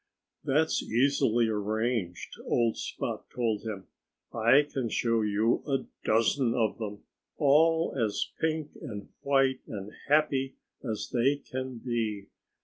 "That's easily arranged," old Spot told him. "I can show you a dozen of them all as pink and white and happy as they can be.